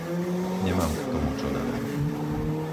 Nemám k tomu čo dodať.